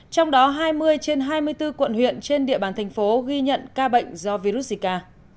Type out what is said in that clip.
trong đó hai mươi trên hai mươi bốn quận huyện trên địa bàn thành phố ghi nhận ca bệnh do virus zika